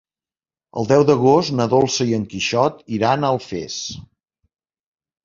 El deu d'agost na Dolça i en Quixot iran a Alfés.